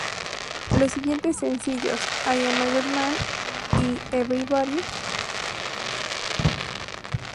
Los siguientes sencillos "I'm A Good Man", y "Everybody".